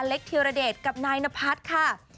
อเล็กทีรเดชกับนายนพัฒน์ค่ะ